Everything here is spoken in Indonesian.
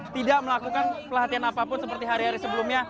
tidak melakukan pelatihan apapun seperti hari hari sebelumnya